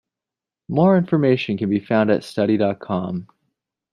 More information can be found at Study dot com.